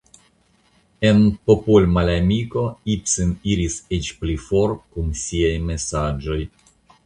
En "Popolmalamiko" Ibsen iris eĉ pli for kun siaj mesaĝoj.